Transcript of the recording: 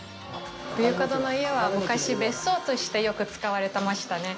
ビュユックアダの家は昔、別荘としてよく使われてましたね。